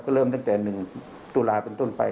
เริ่มตั้งแต่๑ตุลาเป็นต้นไป